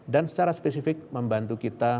dan secara spesifik membantu kita